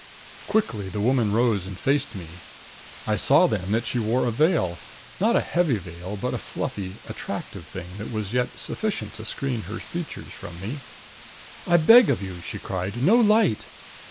Quickly the woman rose and faced me. I saw then that she wore a veil not a heavy veil, but a fluffy, attractive thing that was yet sufficient to screen her features from me. "I beg of you," she cried, "no light!"